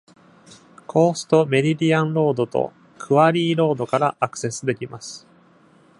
コーストメリディアンロードとクアリーロードからアクセスできます。